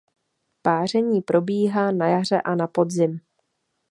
Páření probíhá na jaře a na podzim.